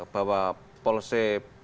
bahwa polisi pemerintah